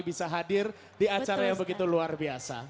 bisa hadir di acara yang begitu luar biasa